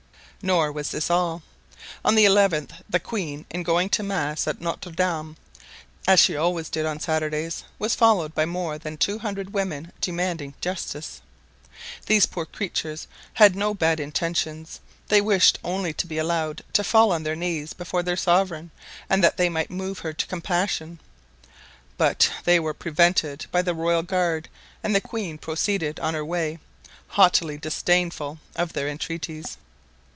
Nor was this all. On the eleventh the queen in going to mass at Notre Dame, as she always did on Saturdays, was followed by more than two hundred women demanding justice. These poor creatures had no bad intentions. They wished only to be allowed to fall on their knees before their sovereign, and that they might move her to compassion; but they were prevented by the royal guard and the queen proceeded on her way, haughtily disdainful of their entreaties.